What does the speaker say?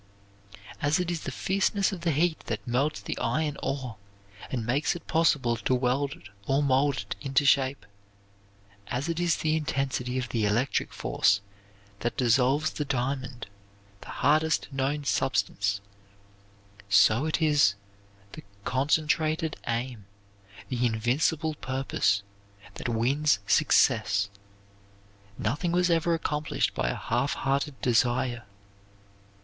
As it is the fierceness of the heat that melts the iron ore and makes it possible to weld it or mold it into shape; as it is the intensity of the electrical force that dissolves the diamond the hardest known substance; so it is the concentrated aim, the invincible purpose, that wins success. Nothing was ever accomplished by a half hearted desire.